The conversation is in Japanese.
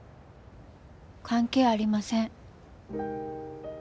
関係ありません。